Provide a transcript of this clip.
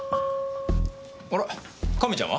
あら亀ちゃんは？